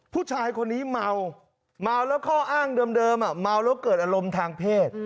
ผู้ชายคนนี้เมาเมาแล้วข้ออ้างเดิมเมาแล้วเกิดอารมณ์ทางเพศ